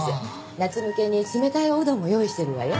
夏向けに冷たいおうどんも用意してるわよ。